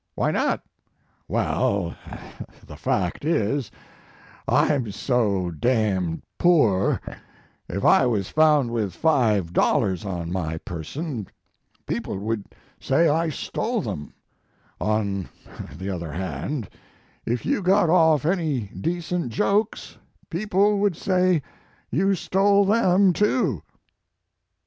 "Why not?" "Well, the fact is, I m so d d poor, if I was found with $5 on my person people would say I stole them; on the other hand, if you got off any decent jokes people would say you stole them, too."